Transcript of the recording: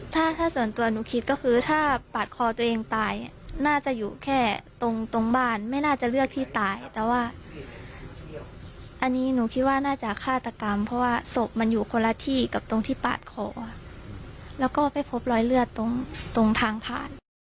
ถ้าถ้าส่วนตัวหนูคิดก็คือถ้าปาดคอตัวเองตายน่าจะอยู่แค่ตรงตรงบ้านไม่น่าจะเลือกที่ตายแต่ว่าอันนี้หนูคิดว่าน่าจะฆาตกรรมเพราะว่าศพมันอยู่คนละที่กับตรงที่ปาดคอแล้วก็ไปพบรอยเลือดตรงตรงทางผ่าน